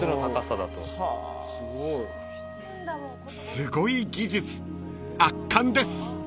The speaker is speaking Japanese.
［すごい技術圧巻です］